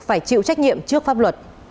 phải chịu trách nhiệm trước phòng